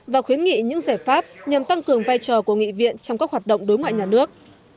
và khuyến nghị những giải pháp nhằm tăng cường vai trò của nghị viện trong các hoạt động đối ngoại nhà nước